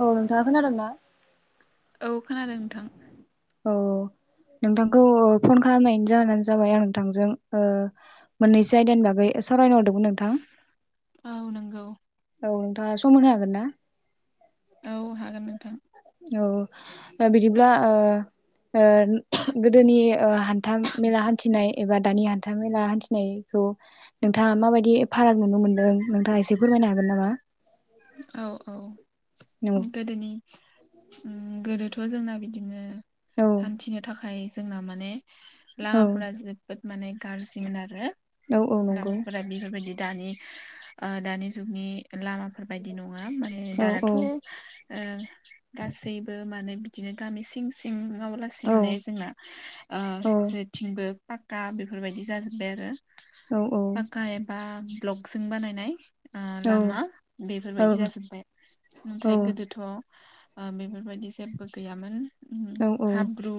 औ नोंथाङा खोनादोंना? औ खोनादों नोंथां। औ नोंथांखौ फन खालामनायनि जाहोनानो जाबाय आं नोंथांजों मोननैसो आयदानि बागै सावरायनो हरदोंमोन नोंथां औ नंगौ। औ नोंथाङा सम मोनो हागोन ना? औ हागोन नोंथां। औ बिदिब्ला गोदोनि हान्था मेला हान्थिनाय एबा दानि हान्था मेला हान्थिनायखौ नोंथाङा माबायदि फाराग नुनो मोनदों नोंथाङा एसे फोरमाय नो हागोन नामा? औ औ औ गोदोनि ओम गोदोथ' जोंना बिदिनो औ हान्थिनो थाखाय जोंना माने औ लामाफोरा जोबोद माने गाज्रिमोन आरो औ औ नंगौ लामाफोरा बेफोरबायदि दानि दानि जुगनि लामाफोर बायदि नङा माने औ औ दानाथ' गासैबो माने बिदिनो गामि सिं सिं नङाबा लासे औ माने जोंना जेरेथिंबो पाक्का बेफोरबायदि जाजोब्बाय आरो। औ पाका एबा ब्लकजोंं बानायनाय औ लामा बेफोरबायदि जाजोब्बाय नाथाय गोदोथ' ओ बेफोरबायदि जेबो गैयामोन। औ हाब्रु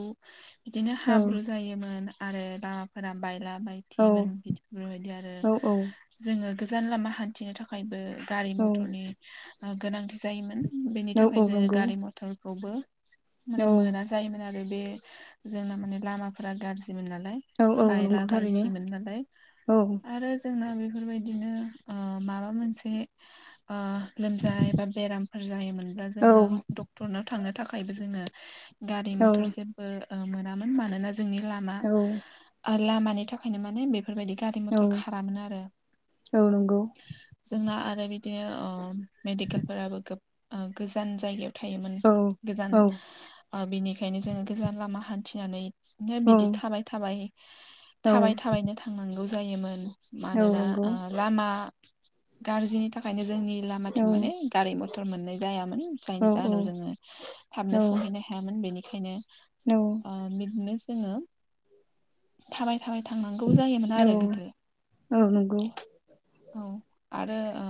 बिदिनो औ हाब्रु जायोमोन आरो लामाफोरा बायला औ बायथिमोन औ बेबादि आरो औ जोङो गोजान लामा हान्थिनो थाखायबो गारि औ मथरनि ओ गोनांथि जायोमोन बेनि औ थाखाय औ जोङो नंगौ गारि मथरखौबो औ माने मोना जायोमोन आरो बे जोंना माने लामाफोरा गाज्रि मोन नालाय औ औ नंगौ बायला थारैनो बायसिमोन नालाय औ आरो जों बेफोरबायदिनो माबा मोनसे ओ लोमजानाय बा बेरामफोर जायोमोन बा औ जोङो डक्टरनाव थांनो थाखायबो जोङो गारि औ मथर जेबो ओ मोनामोन मानोना जोंनि लामा औ लामानि थाखायनो माने बे फोरबायदि गारि औ मथर खारामोन आरो औ नंगौ जोंना आरो बि दिनो मेडिकेलफोराबो गोबा-गोजान जायो मोन औ गोजान औ बेनिखायनो जोङो गोजान लामा हान्थिनानै औ बिदि थाबाय थाबाय थाबाय थाबायनो थांनांगौ जायोमोन। औ मानोना नंगौ ओ लामा गाज्रिनि थाखायनो जोंनि औ लामाथिं माने गारि मथर भ मोननाय जायामोन जायनि औ औ नंगौ औ जाहोनाव जोङो थाबनो सहैनो हायामोन बेनिखायनो ओ बिदिनो जोङो थाबाय थाबाय थांनांगौ जायोमोन आरो गोदो। औ आरो ओ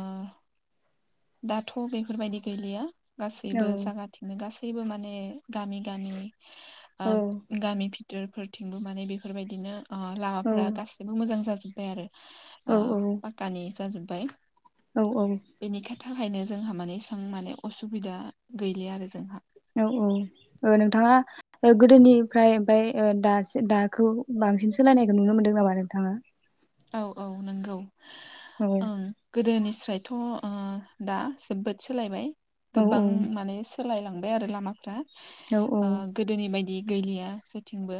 दाथ' बेफोरबायदि गैलिया गासैबो जायगाथिंनो गासै बो माने गामि गामि ओ गामि बिथोरफोरथिंबो माने बेफोरबायदिनो लामाफोरा गासिबो मोजां जाजोब्बाय आरो। ओ पाकानि जाजोबबाय। औ औ थाखायनो जोंहा माने इसेबां माने असुबिदा गैलि आरो जोंहा। औ औ नोंथाङा गोदोनिफ्राय ओमफ्राय दासो दाखौ बांसिन सोलायनायखौ नुनो मोनदों नामा नोंथाङा? औ औ नंगौ औ ओं गोदोनिस्रायथ' ओ दा जोबोद सोलायबाय औ गोबां माने सोलायलांबाय आरो लामाफ्रा औ ओ गोदोनि बायदि गैलिया जेथिंबो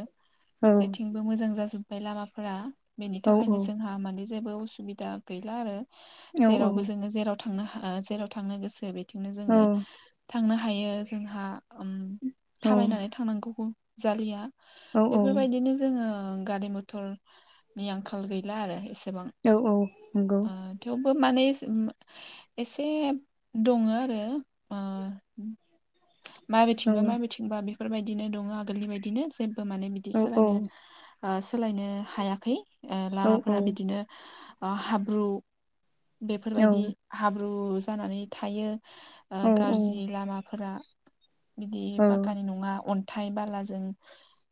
औ जेथिंबो मोजां जाजोब बाय लामाफोरा बेनि औ थाखायनो औ जोंहा माने जेबो उसुबिदा गैला आरो औ औ जेरावबो जोङो जेराव थांनो ओ जेराव थांनो गोसो बेथिंनो औ जोङो थांनो हायो जोंहा औ थाबायनानै थांनांगौ जालिया औ बेफोरबायदिनो जोङो गारि मथरनि आंखाल गैला आरो एसे औ औ नंगौ माने एसे ओ एसे दङ आरो ओ मा औ बेथिंबा मा बेथिंबा बेफोरबायदिनो दङ आगोलनि बायदिनो जेबो माने बिदि औ सोलायनो ओ सोलायनो हायाखै ओ औ औ लामाफोरा बिदिनो ओ हाब्रु बेफोरबायदि हा- ब्रु‌ जानानै थायो गाज्रि लामाफोरा बिदि पाक्कानि नङा अन्थाइ बालाजों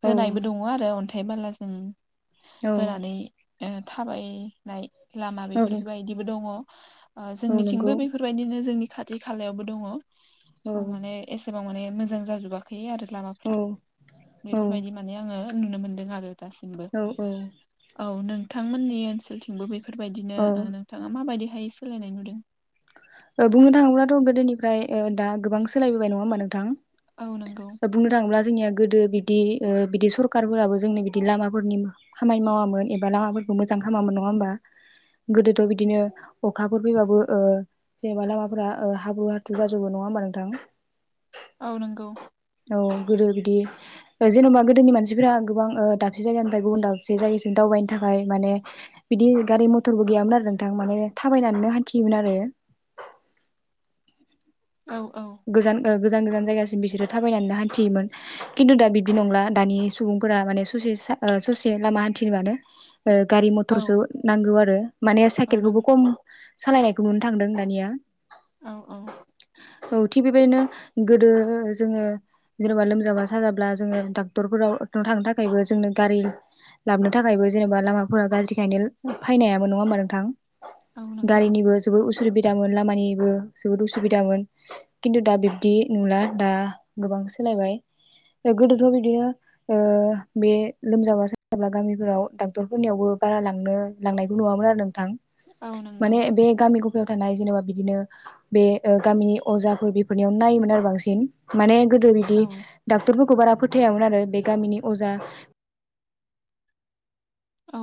औ होनायबो दङ आरो अन्थाइ बाला जों औ ओ थाबायनाय लामा बेफोरबायदिबो दङ ओ नंगौ जोंनिथिंबो बेफोरबायदिनो जोंनि खाथि खालायावबो दङ' औ माने एसे गोबां माने मोजां जाजोबाखै आरो औ लामाफ्रा बेफोरबायदि माने आङो नुनो मोनदों आरो दासिमबो। औ औ नोंथांमोननि ओनसोलथिंबो बे बेफोरबायदिनो औ नोंथाङा माबायदिहाय सोलायनाय नुदों? बुंनो थाङोब्लाथ' गोदोनिफ्राय दा गोबां सोलायबोबाय नङा होमबा नोंथां औ नंगौ बुंनो थाङोब्ला जोंनिया गोदो बिबदि बिदि सरखारफोराबो जोंनो बिदि लामाफोरनि खामानि मावामोन एबा लामाफोर मोजां खालामामोन नङा होमबा गोदोथ' बिदिनो अखाफोर फैबाबो जेनेबा लामाफोरा्रा हाब्रु हाथ्रु जाजोबो नङा होमबा नोंथां औ नंगौ औ गोदो बिदि जेन'बा गोदोनि मानसिफोरा गोबां दाबसे जायगानिफ्राय गुबुन दाबसे जायगासिम दावबायनो थाखाय माने बिदि गारि मथरबो गैयामोन आरो नोंथां माने थाबायनानैनो हान्थियोमोन आरो औ औ गोजान गोजान जायगासिम बिसोरो थाबायनानै हान्थियोन खिन्थु दा बिब्दि नंला दानि सुबुंफोरा माने ससे लामा हान्थिनोबानो गारि औ मथरसो नांगौ आरो माने औ नों साइकेलखौबो खम सालायनायखौ मोननो थांदों दानिया औ औ औ थिग बेबायदिनो गोदो जोङो जेनेबा लोमजाबा साजाब्ला जोङो डाक्टरफोराव थांनो थाखायबो जोंनो गारि लाबोनो थाखायबो जेनेबा लामाफोरा गाज्रिखायनो फायनो हायामोन नङा होमबा नोंथां औ नंगौ गारिनिबो जोबोद उसुबिदामोन लामानिबो जोबोद उसुबिदामोन खिन्थु दा बिब्दि नुला दा गोबां सोलायबाय गोदोथ' बिदिनो बे लोमजाब्ला साजाब्ला गामिफोराव डाक्टरफोरनियावबो बारा लांनो लांनायखौ नुआमोन आरो नों थां औ नंगौ माने बे गामि गफायाव थानाय जेनेबा बिदिनो बे गामिनि अजाफोर बेफोरनियाव नायोमोन आरो बांसिन माने गोदो बिदि औ डाक्टर बारा फोथायामोन आरो बे गामिनि अजा औ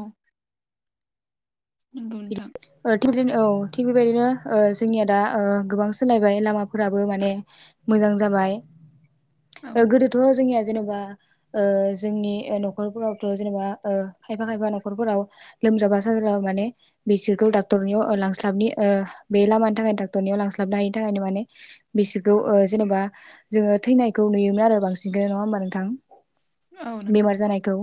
नंगौ नोंथां बिदि [unintelligible] औ थिग बेबायदिनो जोंनिया दा गोबां सोलायबाय लामाफोराबो माने मोजां जाबाय [inaudible] गोदोथ' जोंनिया जेनेबा जोंनि न'खरफोरावथ' जेनेबा खायफा खायफा न'खरफोराव लोमजाबा साजाबा माने बिसोरखौ डक्टरनियाव लांस्लाबनि बे लामानि थाखायनो डाक्टरनियाव लांस्लाबनो हायिनि थाखायनो माने बिसोरखौ जेनेबा जोङो थैनायखौ नुयोमोन आरो बांसिनखौ नङा होमबा नोंथां औ बेमार नंगौ जानायखौ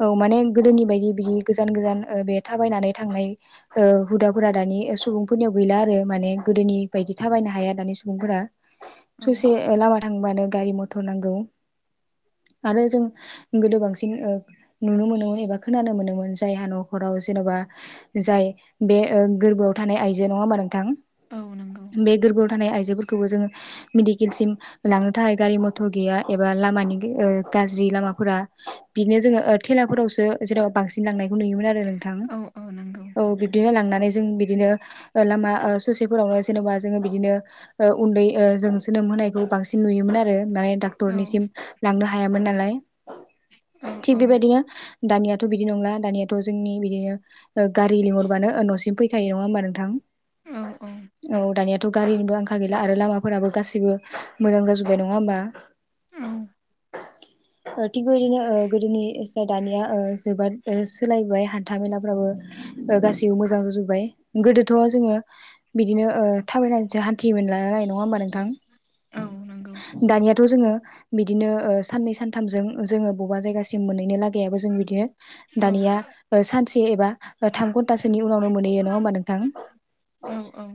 औ माने गोदोनि बायदि बिदि गोजान गोजान बे थाबायनानै थांनाय हुदाफोरा दानि सुबुंफोरनियाव गैला आरो माने गोदोनि बायदि थाबायनो हाया दानि सुबुंफोरा औ ससे लामा थांबानो गारि मथर नांगौ [inaudible] आरो जों गोदो बांसिन नुनो मोनोमोन एबा खोनानो मोनोमोन जायहा न'खराव जेन'बा जाय बे गोरबोआव थानाय आइजो नङा होमबा नोंथां औ नंगौ बे गोरगआव थानाय आइ बो जोङो मेडिकेलसिम लांनो थाखाय गारि मथर गैया एबा लामानि गाज्रि लामाफोरा बिदिनो जोङो थेलाफोरावसो जेनेबा बांसिन लांनाय नुयोमोन आरो नोंथां औ औ नंगौ औ बिदिनो बिदिनो लामा ससेफोरावनो जेनेबा जोङो बिदिनो उन्दै जों जोनोम होनाय बांसिन नुयोमोन आरो माने औ डाक्टरनिसिम लांनो हायामोन नालाय औ थिग औ बेबायदिनो दानियाथ' बिदि नंला दानियाथ' जोंनि बिदिनो गारि लिंहरबानो न'सिम फैखायो नङा होमबा नोंथां औ औ दानिया थ' गारिनिबो आंखाल गैला आरो लामाफोराबो गासिबो मोजां जाजोब्बाय नङा होमबा औ थिग बेबायदिनो गोदोनि दानिया जोबोद सोलायबाय हान्था मेलाफ्राबो गासिबो मोजां जाजोब्बाय गोदोथ' जोङो बिदिनो थाबायनानैसो हान्थियोमोन नडा होनबा नोंथां औ नंगौ दानिया जों बिदिनो सननै सनथामजों जों बबेबा जायगासिम मोनहैयो लागैयाबो जों बिदिनो औ दानिया सानसे एबा थाम घन्टासोनि उनावनो मोनहैयो नङा होमबा नोंथां औ औ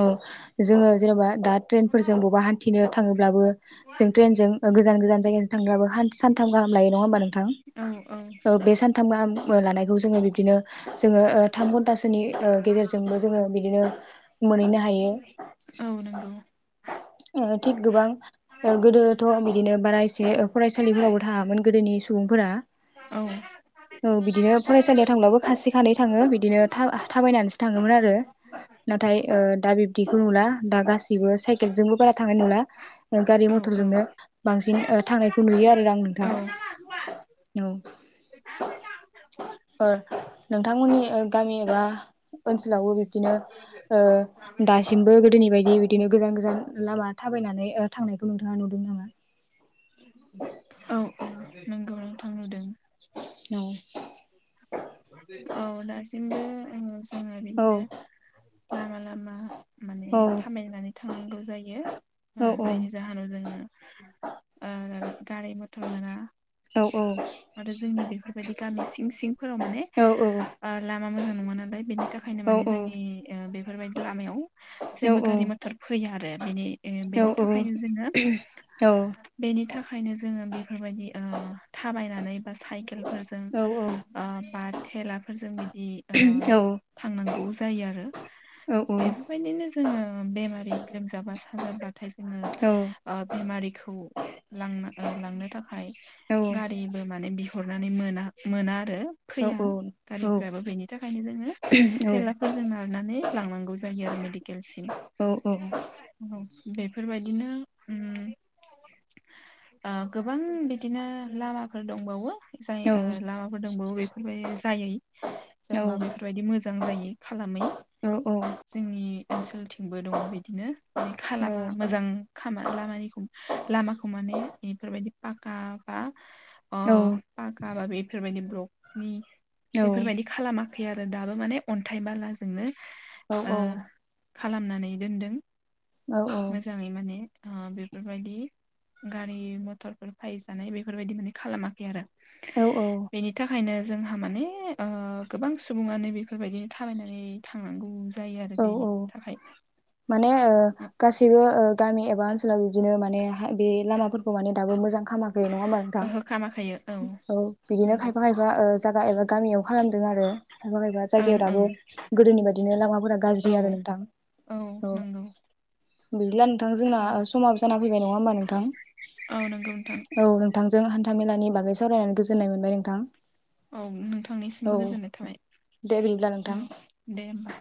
औ जोङो जेनेबा दा ट्रेनफोरजों बबा हान्थिनो थाङोब्लाबो जों ट्रेनजों गोजान गोजान जायगाजों थांब्लाबो सानथाम गाहाम लायो नङा होमबा नोंथां औ बे सानथाम गाहाम लानायखौ जोङो बिबदिनो जोङो थाम घन्टासोनि गेजेरजोंबो जोङो बिदिनो मोनहैनो हायो हा थिग गोबां गोदोथ' बिदिनो बारा एसे फरायसालिफोरावबो थाङामोन गोदोनि सुबुंफोरा औ औ बिदिनो फरायसालियाव थांब्लाबो सासे सानैै थाङो बिदिनो थ थाबायनानैसो थाङोमोन आरो नाथाय दा बिब्दिखौ नुला दा गासिबो साइकेल जोंबो बारा थांनाय नंला गारि औ मथरजोंनो बांसिन थांनायखौ नुयो आरोदा नोंथां [inaudible] औ नोंथांमोननि गामि एबा ओनसोलावबो बिब्दिनो दासिमबो गोदोनि बायदि बिदिनो गोजान गोजान लामा थाबायनानै थांनायखौ नोंथाङा नुदों नामा औ औ थां नुदों औ औ दासिमबो जोङो औ बिदिनो लामा लामा माने औ थाबायनानै थांनांगौ जायो माने ओ जायनि जाहोनाव जोङो गारि मथर मोना औ औ आरो जोंनि बेफोरबायदि गामि सिं सिंफोराव माने लामा मोजां नङा ना बेनि थाखायनो माने जोंनि बेफोरबायदि लामायाव जेबो गारि मथर फैया आरो बेनि बेनि थाखायनो जोङो बेनि थाखायनो जोङो बेफोरबायदि थाबायनानै बा साइकेलफोरजों बा थेलाफोरजों बिदि थांनांगौ जायो आरो बेफोरबायदिनो जोङो बेमारि लोमजाबा साजाब्लाथाय जोङो बेमारि लांनो थाखाय आबो माने बिहरनानै मोना मोना आरो फैया गारिफोराबो बेनि थाखायनो जोङो थेलाफोरजों नारनानै लांनांगौ जायो आरो मिदिकेलसिम बेफोरबायदिनो गोबां बिदिनो लामाफोर दंबावो जाय लामाफोर दंबावो बेफोरबायदि जायै जाबा बेफोरबायदि मोजां जायो खालामै जोंनि ओनसोलथिंबो दङ बिदिनो माने खालामा मोजां लामानिखौ लामाखौ माने इफोरबायदि पाका पाका बा बेफोरबायदि ब्लकनि बेफोरबायदि खालामाखै खै आरो दाबो माने अन्थाइ बालाजोंनो औ ओ औ खालामनानै दोनदों मोजाङै माने बेफोरबायदि गारि मथरफोर फैजानाय बेफोरबायदि माने खालामाखै आरो बेनि थाखायनो जोंहा माने गोबां सुबुङानो बेफोरबायदिनो थाबायनानै थांनांगौ जायो आरो औ बेनि औ थाखाय माने गासिबो गामि नि एबा ओनसोलाव बिदिनो माने ह बे लामाफोरखौ माने दो मोजां खालामाखै नङा होमबा नोंथां ओहो खामाखायो औ बिदिनो नंगौ खायफा खायफा जागा एबा गामियाव खालामदों आरो खायफा खायफा ओं जायगायाव दाबो ओं गोदोनि बायदिनो लामाफोर औ गाज्रि आरो दां औ बिदिला नोंथां जोंना औ समाब जाना फैबाय नङा होमबा नोंथां औ नोंगौ नोंथां जों हान्था मेलानि बागै सावरायनानै गोजोननाय मोनबाय नोंथां औ नोंथांनिसिमबो औ गोजोननाय थाबाय दे बिदिब्ला नोंथां औ दे होमबा